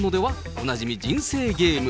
おなじみ人生ゲーム。